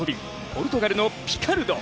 ポルトガルのピカルド。